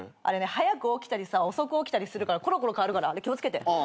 あれね早く起きたりさ遅く起きたりするからコロコロかわるから気を付けて。